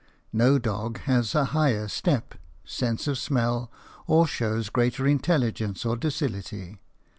No dog has a higher step, sense of smell, or shows greater intelligence or docility.